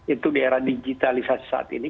itu di era digitalisasi saat ini